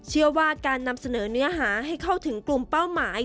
เชื่อว่าการนำเสนอเนื้อหาให้เข้าถึงกลุ่มเป้าหมาย